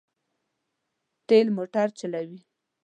تېل موټر چلوي.